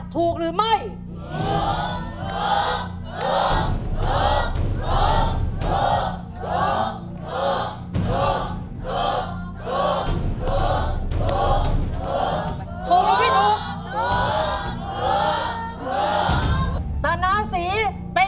ถูกต้องเลย